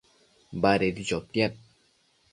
Badedi chotiad